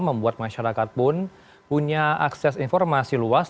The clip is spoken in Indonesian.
membuat masyarakat pun punya akses informasi luas